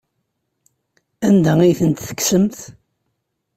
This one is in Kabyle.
Anda ay tent-tekksemt?